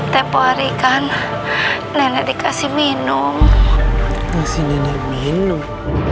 tepuh hari kan nenek dikasih minum ngasih nenek minum